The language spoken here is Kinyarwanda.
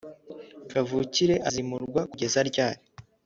Kavukire azimurwa kugeza ryari